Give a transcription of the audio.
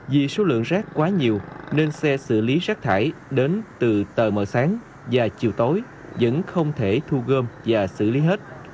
vì số lượng rác quá nhiều nên xe xử lý rác thải đến từ tờ mờ sáng và chiều tối vẫn không thể thu gom và xử lý hết